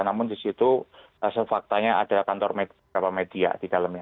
namun di situ sefaktanya ada kantor beberapa media di dalamnya